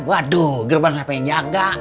waduh gerban sampai nyaga